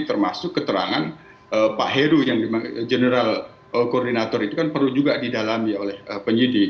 termasuk keterangan pak heru yang general koordinator itu kan perlu juga didalami oleh penyidik